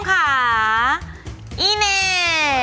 เปลี่ยนยินหมด